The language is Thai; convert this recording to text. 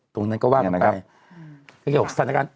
ตรงนั้นก็ว่ากันไป